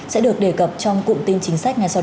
sẽ được đề cập trong cụm tin chính sách ngay sau đây